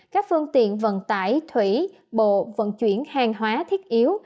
các phương tiện vận tải thủy bộ vận chuyển hàng hóa thiết yếu